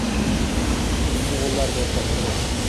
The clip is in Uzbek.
O‘g‘illar der:-Topmasak